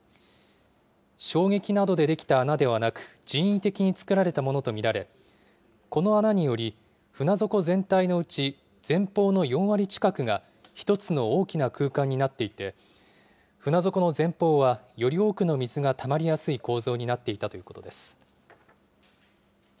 衝撃などで出来た穴ではなく、人為的に作られたものと見られ、この穴により、船底全体のうち前方の４割近くが１つの大きな空間になっていて、船底の前方はより多くの水がたまりやすい構造になっていたということです。